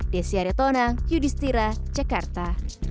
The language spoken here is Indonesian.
desyaretona yudhistira jakarta